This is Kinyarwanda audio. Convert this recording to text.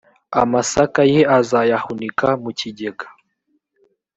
amasaka ye azayahunika mu kigega